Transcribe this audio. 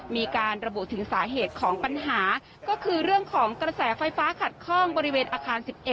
มีการระบุถึงสาเหตุของปัญหาก็คือเรื่องของกระแสไฟฟ้าขัดข้องบริเวณอาคาร๑๑